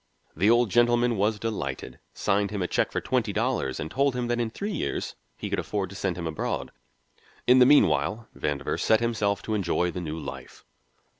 The Old Gentleman was delighted, signed him a check for twenty dollars, and told him that in three years he could afford to send him abroad. In the meanwhile Vandover set himself to enjoy the new life.